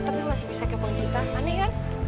tapi masih bisa kebang kita aneh kan